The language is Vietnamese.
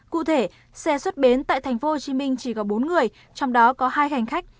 cụ thể xe xuất bến tại tp hcm chỉ có bốn người trong đó có hai hành khách